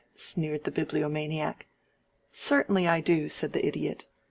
sneered the Bibliomaniac. "Certainly, I do," said the Idiot.